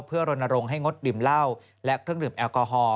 เพื่อรณรงค์ให้งดดื่มเหล้าและเครื่องดื่มแอลกอฮอล